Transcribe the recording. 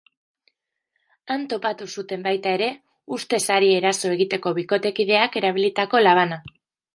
Han topatu zuten baita ere, ustez hari eraso egiteko bikotekideak erabilitako labana.